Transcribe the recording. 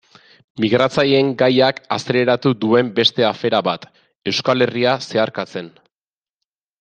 Migratzaileen gaiak azaleratu duen beste afera bat, Euskal Herria zeharkatzen.